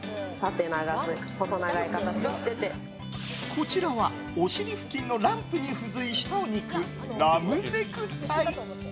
こちらはお尻付近のランプに付随したお肉ラムネクタイ。